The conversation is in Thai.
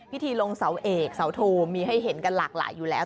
พิธีลงเสาเอกเสาโทมีให้เห็นกันหลากหลายอยู่แล้ว